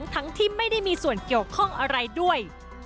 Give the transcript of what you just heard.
ทั้งที่ไม่ได้มีส่วนเกี่ยวข้องอะไรด้วย